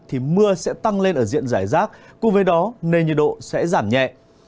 thì mưa sẽ tăng lên ở diện giải rác cùng với đó nền nhiệt độ sẽ giảm nhẹ